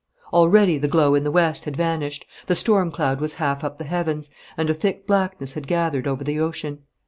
Already the glow in the west had vanished, the storm cloud was half up the heavens, and a thick blackness had gathered over the ocean.